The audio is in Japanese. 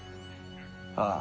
ああ。